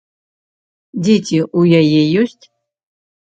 Дзеці ў яе ёсць?